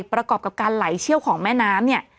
ประกอบกับการไหลเชี่ยวของแม่น้ำเนี่ย